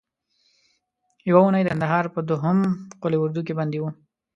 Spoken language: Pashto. یوه اونۍ د کندهار په دوهم قول اردو کې بندي وم.